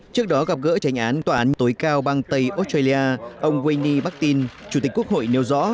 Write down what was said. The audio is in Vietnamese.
trước đó gặp gỡ tranh án tòa án tối cao bang tây australia ông wini brutin chủ tịch quốc hội nêu rõ